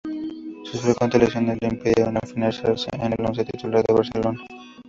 Sus frecuentes lesiones le impidieron afianzarse en el once titular del Barcelona.